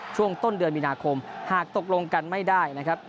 ช่วงต้นเดือนมีนาคมหากตกลงกันไม่ได้นะครับ